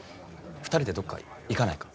２人でどっか行かないか？